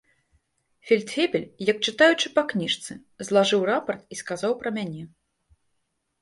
Фельдфебель, як чытаючы па кніжцы, злажыў рапарт і сказаў пра мяне.